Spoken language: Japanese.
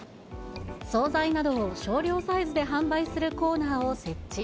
総菜などを少量サイズで販売するコーナーを設置。